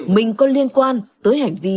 mình có liên quan tới hành vi